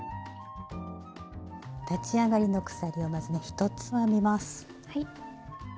立ち上がりの鎖をまずね１つ編みます。